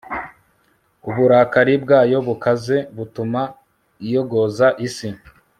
Uburakari bwayo bukaze butuma iyogoza isi